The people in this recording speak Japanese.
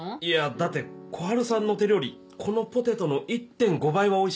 だって小春さんの手料理このポテトの１．５倍はおいしいし。